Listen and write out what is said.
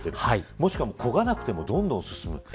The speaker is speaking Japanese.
もしくはこがなくてもどんどん進む。